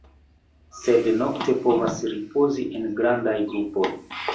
Sed nokte povas ripozi en grandaj grupoj.